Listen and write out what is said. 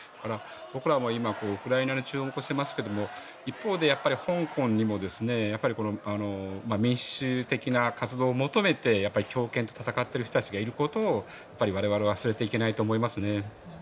僕らも今、ウクライナに注目していますが一方で香港にも民主的な活動を求めて強権と戦っている人たちがいることを我々は忘れてはいけないと思います。